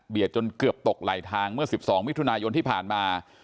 จนเกือบตกไหลทางเมื่อ๑๒มิถุนายนที่ผ่านมา